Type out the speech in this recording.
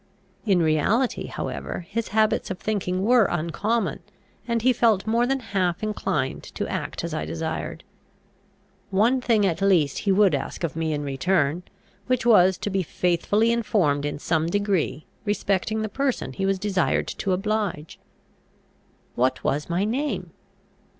In reality however his habits of thinking were uncommon, and he felt more than half inclined to act as I desired. One thing at least he would ask of me in return, which was to be faithfully informed in some degree respecting the person he was desired to oblige. What was my name?